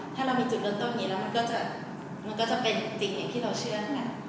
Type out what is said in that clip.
ถ้ามันจุดเริ่มต้นตอนนี้มันก็จะเป็นอย่างที่เราเชื่อน